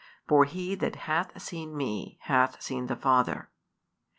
For he that hath seen Me hath seen the Father."